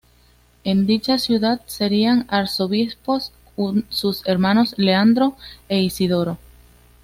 En dicha ciudad serían arzobispos sus hermanos Leandro e Isidoro.